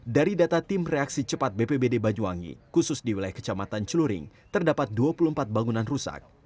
dari data tim reaksi cepat bpbd banyuwangi khusus di wilayah kecamatan celuring terdapat dua puluh empat bangunan rusak